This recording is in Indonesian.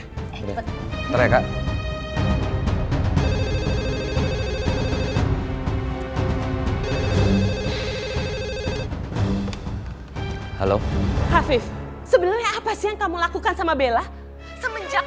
halo afif sebelumnya apa sih yang kamu lakukan sama bella semenjak